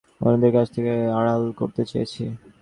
বরং কখনো কখনো আমি তাকে অন্যদের কাছ থেকে আড়াল করতে চেয়েছি।